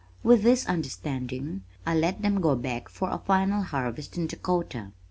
With this understanding I let them go back for a final harvest in Dakota.